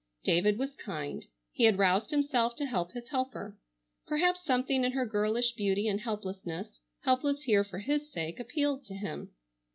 David was kind. He had roused himself to help his helper. Perhaps something in her girlish beauty and helplessness, helpless here for his sake, appealed to him.